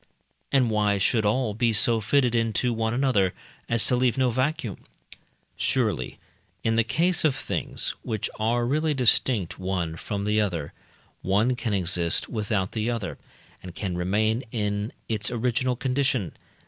And why should all be so fitted into one another as to leave no vacuum? Surely in the case of things, which are really distinct one from the other, one can exist without the other, and can remain in its original condition.